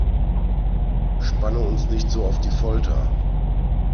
Spanne uns nicht so auf die Folter!